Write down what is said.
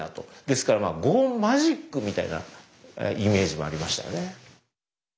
ですからまあゴーンマジックみたいなイメージもありましたよね。